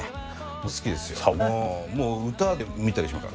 大好きですよ。